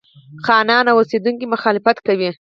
خانان او اوسېدونکي مخالفت کوي.